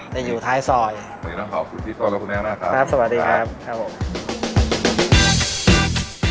จะอยู่ท้ายซอยขอบคุณพี่ต้นแล้วคุณแม่หน้าครับครับสวัสดีครับครับผม